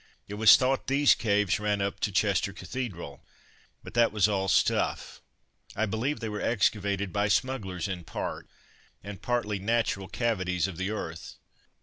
It was thought these caves ran up to Chester Cathedral but that was all stuff. I believe they were excavated by smugglers in part, and partly natural cavities of the earth.